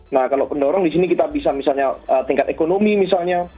nah kalau pendorong di sini kita bisa misalnya tingkat ekonomi misalnya